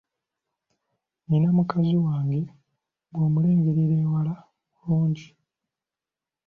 Nnina mukazi wange; bw'omulengerera ewala mulungi.